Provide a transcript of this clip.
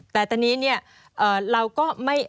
แต่ตอนนี้เราก็ไม่